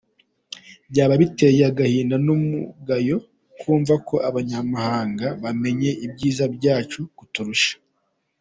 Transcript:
Byaba biteye agahinda n’umugayo kumva ko abanyamahanga bamenya ibyiza byacu kuturusha.